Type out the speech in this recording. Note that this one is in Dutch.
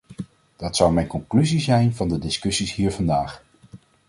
Dat zou mijn conclusie zijn van de discussies hier vandaag.